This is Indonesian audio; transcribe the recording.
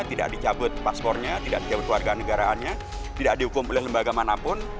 tidak dicabut paspornya tidak dicabut keluarga negaraannya tidak dihukum oleh lembaga manapun